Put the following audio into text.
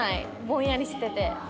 ぼんやりしてて。